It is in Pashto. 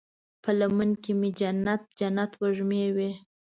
په لمن کې مې جنت، جنت وږمې وی